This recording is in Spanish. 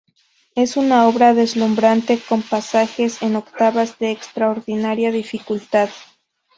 Es una obra deslumbrante con pasajes en octavas de extraordinaria dificultad.